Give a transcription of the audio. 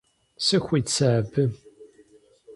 Сыхуит сэ абы?